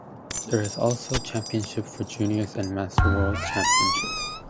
There is also a World Championship for juniors and a Master World Championship.